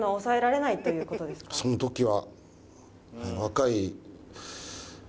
その時は若い。